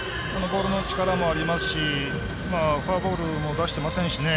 ボールの力もありますしフォアボールも出してませんしね。